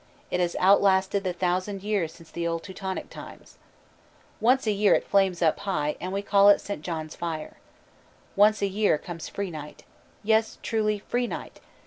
It has outlasted the thousand years since the old Teutonic times. Once a year it flames up high, and we call it St. John's Fire. Once a year comes Free night. Yes, truly, Free night.